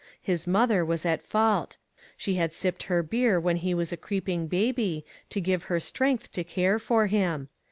His mother was at fault. She had sipped her beer when he was a creeping baby, to give her strength to care for him.